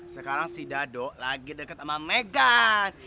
sekarang si dado lagi deket sama megan